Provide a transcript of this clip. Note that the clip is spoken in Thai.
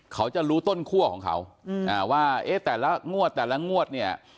เขาจะรู้ต้นคั่วของเขาว่าเอ๊ะแต่ละงวดแต่ละงวดเนี่ย